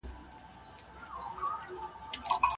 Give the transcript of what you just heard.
باید د خوړو پر مهال له موبایل او تلویزیون څخه لیرې واوسو.